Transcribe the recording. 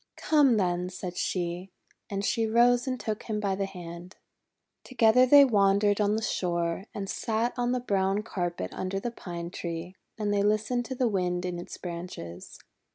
"Come, then," said she. And she rose and took him by the hand. Together they wandered on the shore, and sat on the brown carpet under the Pine Tree, and they listened to the Wind in its branches.